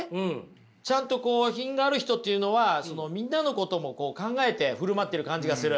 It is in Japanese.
ちゃんとこう品がある人っていうのはみんなのこともこう考えて振る舞ってる感じがする。